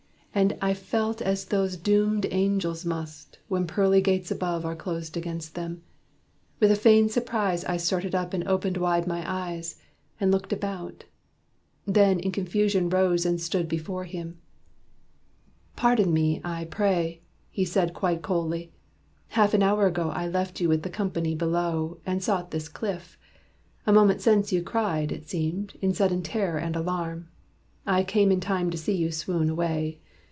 And I felt as those Doomed angels must, when pearly gates above Are closed against them. With a feigned surprise I started up and opened wide my eyes, And looked about. Then in confusion rose And stood before him. "Pardon me, I pray!" He said quite coldly. "Half an hour ago I left you with the company below, And sought this cliff. A moment since you cried, It seemed, in sudden terror and alarm. I came in time to see you swoon away.